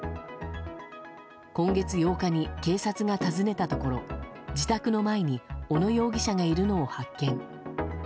今月８日に警察が訪ねたところ自宅の前に小野容疑者がいるのを発見。